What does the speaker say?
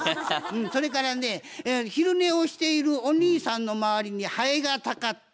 それからね昼寝をしているお兄さんの周りにハエがたかった。